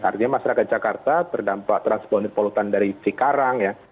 artinya masyarakat jakarta terdampak transboundary pollutant dari sikarang ya